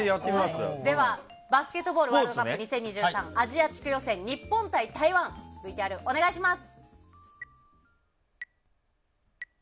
ではバスケットボールワールドカップ２０２３アジア地区予選日本対台湾ＶＴＲお願いします。